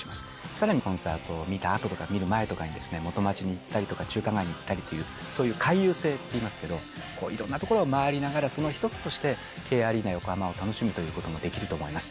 さらにコンサートを見たあととか見る前とかに、元町に行ったりとか、中華街に行ったりという、そういう回遊性っていいますけれども、いろんな所を回りながら、その１つとして、Ｋアリーナ横浜を楽しむということもできると思います。